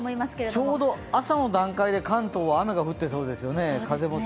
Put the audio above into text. ちょうど朝の段階で関東は雨が降ってそうですよね。